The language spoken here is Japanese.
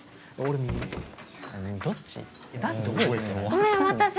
あっごめんお待たせ。